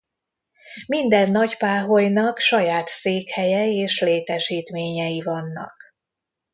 Minden nagypáholynak saját székhelye és létesítményei vannak.